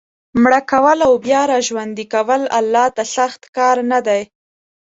مړه کول او بیا را ژوندي کول الله ته سخت کار نه دی.